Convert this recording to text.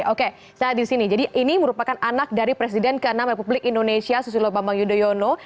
oke saat di sini jadi ini merupakan anak dari presiden ke enam republik indonesia susilo bambang yudhoyono